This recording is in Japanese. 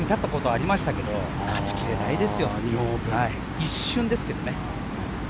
一瞬ですけどね。